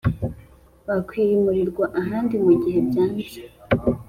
bakwimurirwa ahandi mu gihe byanze.